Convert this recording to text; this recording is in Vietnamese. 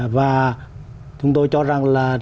và chúng tôi cho rằng là